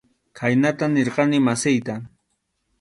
Khaynata nirqani masiyta.